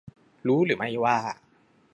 รู้หรือไม่ว่า